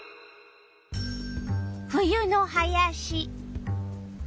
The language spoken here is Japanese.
冬の林。